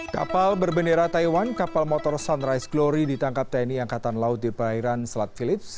kapal berbendera taiwan kapal motor sunrise glory ditangkap tni angkatan laut di perairan selat philips